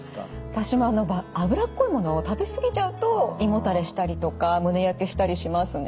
私も脂っこいものを食べ過ぎちゃうと胃もたれしたりとか胸焼けしたりしますね。